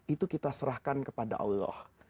itu kita serahkan kepada allah